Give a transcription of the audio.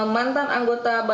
mantan anggota bpp